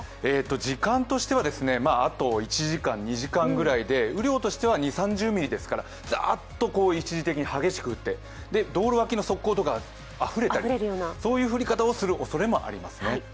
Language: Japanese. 時間としてはあと１時間、２時間ぐらいで雨量としては２０３０ミリですからザーッと一時的に激しく降って道路脇の側溝とかがあふれたりそういう降り方をするおそれもありますね。